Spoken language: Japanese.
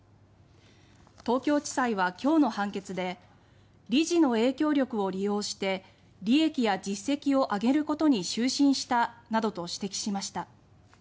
東京地裁は、今日の判決で「理事の影響力を利用して利益や実績を上げることに執心した」などと指摘しました。